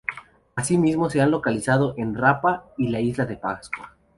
Asimismo se han localizado en Rapa y la isla de Pascua.